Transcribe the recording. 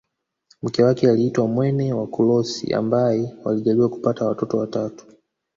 Mke wake aliitwa Mwene Wakulosi ambaye walijaliwa kupata watoto watatu